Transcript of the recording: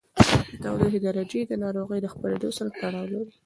د تودوخې درجې د ناروغۍ خپرېدو سره تړاو لري.